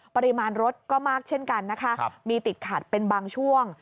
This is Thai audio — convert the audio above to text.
ปริมาณรถก็มากเช่นกันนะคะมีติดขัดเป็นบางช่วง